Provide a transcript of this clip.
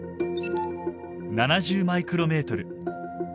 ７０マイクロメートル。